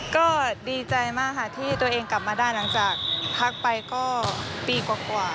ก็ดีใจมากค่ะที่ตัวเองกลับมาได้หลังจากพักไปก็ปีกว่า